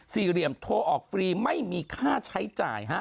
เหลี่ยมโทรออกฟรีไม่มีค่าใช้จ่ายฮะ